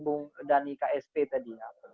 bung dhani ksp tadi ya